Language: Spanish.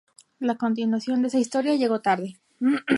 La continuación de esa historia llegó tarde.